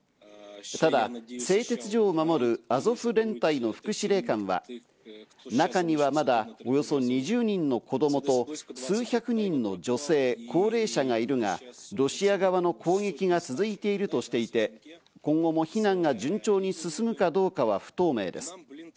ただ、製鉄所を守るアゾフ連隊の副司令官は、中にはまだおよそ２０人の子供と数百人の女性、高齢者がいるが、ロシア側の攻撃が続いているとしていて、今後も避難が順調に進むかどうかは不透明です。